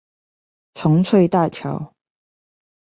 重翠大橋